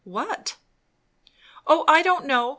"What?" "O I don't know!